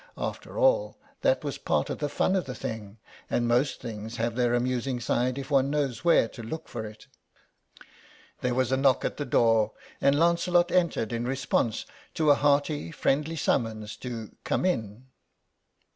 After all, that was part of the fun of the thing, and most things have their amusing side if one knows where to look for it. There was a knock at the door, and Lancelot entered in response to a hearty friendly summons to "come in."